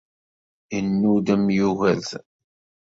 Yennudem Yugurten.